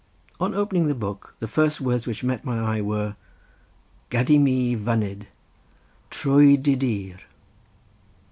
On opening the book the first words which met my eye were "Gad i mi fyned trwy dy dir!"